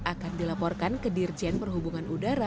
akan dilaporkan ke dirjen perhubungan udara